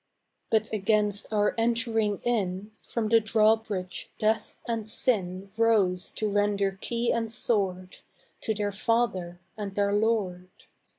But against our entering in From the drawbridge Death and Sin Rose to render key and sword To their father and their lord.